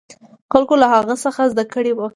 خلکو له هغه څخه زده کړه وکړه.